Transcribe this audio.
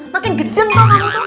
makin geden tau kamu tuh